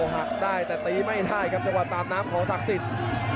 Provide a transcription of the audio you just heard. หักได้แต่ตีไม่ได้ครับจังหวะตามน้ำของศักดิ์สิทธิ์